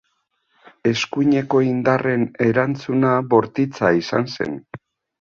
Eskuineko indarren erantzuna bortitza izan zen.